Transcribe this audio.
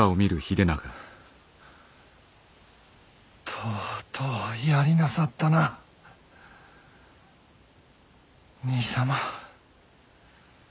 とうとうやりなさったな兄様。